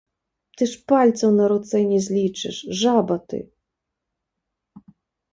Ты ж пальцаў на руцэ не злічыш, жаба ты!